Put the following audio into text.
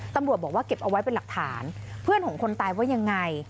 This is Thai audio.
ตำรวจบอกว่าเก็บเอาไว้เป็นหลักฐานเพื่อนของคนตายว่ายังไง